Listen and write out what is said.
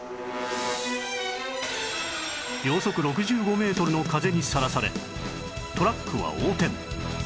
秒速６５メートルの風にさらされトラックは横転